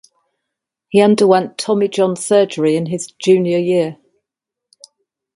He underwent Tommy John surgery his junior year.